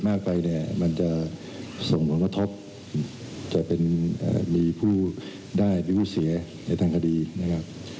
มันจะส่งหวังว่าทบจะเป็นมีผู้ได้มีผู้เสียในทางคดีนะครับ